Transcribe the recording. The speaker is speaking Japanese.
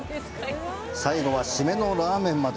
最後はシメのラーメンまで！